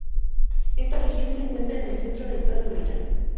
Esta región se encuentra en el centro del Estado de Hidalgo.